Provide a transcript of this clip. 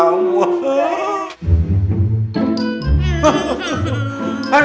aku mau makan